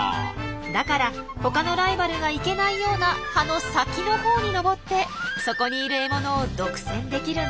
だから他のライバルが行けないような葉の先のほうに登ってそこにいる獲物を独占できるんです。